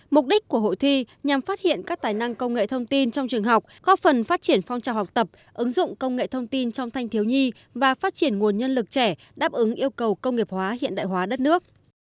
mục đích của hội thi nhằm phát hiện các tài năng công nghệ thông tin trong trường học góp phần phát triển phong trào học tập ứng dụng công nghệ thông tin trong thanh thiếu nhi và phát triển nguồn nhân lực trẻ đáp ứng yêu cầu công nghiệp hóa hiện đại hóa đất nước